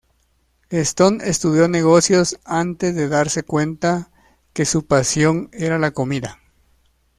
Stone estudió Negocios antes de darse cuenta que su pasión era la comida.